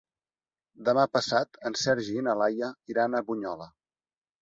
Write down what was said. Demà passat en Sergi i na Laia iran a Bunyola.